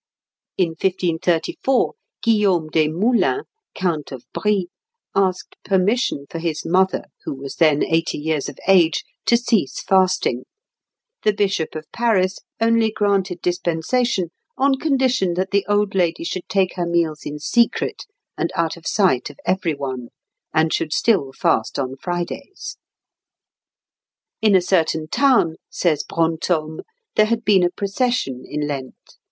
In 1534, Guillaume des Moulins, Count of Brie, asked permission for his mother, who was then eighty years of age, to cease fasting; the Bishop of Paris only granted dispensation on condition that the old lady should take her meals in secret and out of sight of every one, and should still fast on Fridays. "In a certain town," says Brantôme, "there had been a procession in Lent.